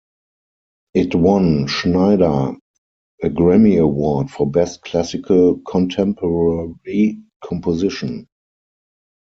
It won Schneider a Grammy Award for Best Classical Contemporary Composition.